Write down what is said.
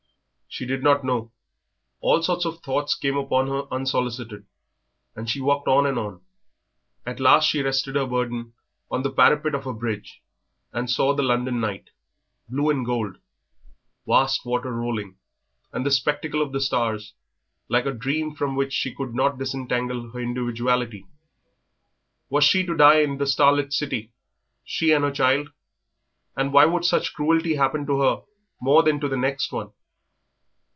She did not know.... All sorts of thoughts came upon her unsolicited, and she walked on and on. At last she rested her burden on the parapet of a bridge, and saw the London night, blue and gold, vast water rolling, and the spectacle of the stars like a dream from which she could not disentangle her individuality. Was she to die in the star lit city, she and her child; and why should such cruelty happen to her more than to the next one?